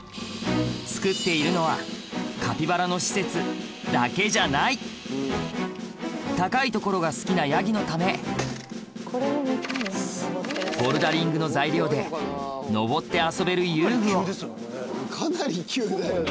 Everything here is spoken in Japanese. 作っているのはカピバラの施設だけじゃない高い所が好きなヤギのためボルダリングの材料で登って遊べる遊具をかなり急だよね。